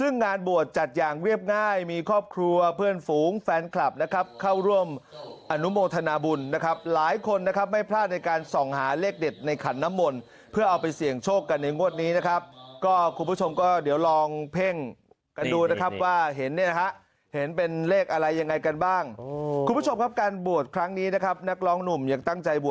งานบวชจัดอย่างเรียบง่ายมีครอบครัวเพื่อนฝูงแฟนคลับนะครับเข้าร่วมอนุโมทนาบุญนะครับหลายคนนะครับไม่พลาดในการส่องหาเลขเด็ดในขันน้ำมนต์เพื่อเอาไปเสี่ยงโชคกันในงวดนี้นะครับก็คุณผู้ชมก็เดี๋ยวลองเพ่งกันดูนะครับว่าเห็นเนี่ยนะฮะเห็นเป็นเลขอะไรยังไงกันบ้างคุณผู้ชมครับการบวชครั้งนี้นะครับนักร้องหนุ่มยังตั้งใจบ